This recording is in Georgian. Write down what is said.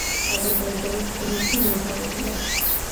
აზერბაიჯანის კლიმატი უნიკალურია.